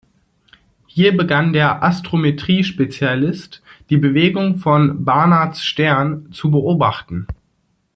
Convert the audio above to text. Hier begann der Astrometrie-Spezialist, die Bewegung von Barnards Stern zu beobachten.